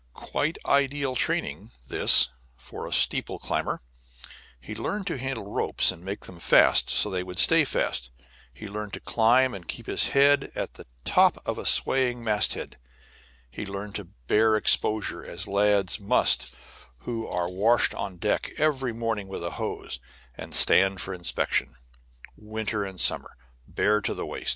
Quite ideal training, this, for a steeple climber; he learned to handle ropes and make them fast so they would stay fast; he learned to climb and keep his head at the top of a swaying masthead; he learned to bear exposure as lads must who are washed on deck every morning with a hose, and stand for inspection, winter and summer, bare to the waist.